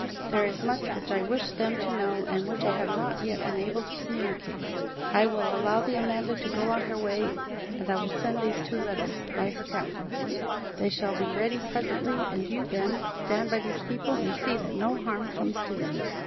There is much which I wish them to know and which I have not yet been able to communicate. I will allow the Amanda to go on her way and I will send these two letters by her captain. They shall be ready presently, and you, Ben, stand by these people and see that no harm comes to them."